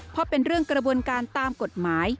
เพราะเป็นเรื่องกระบวนการตามกฎหมาย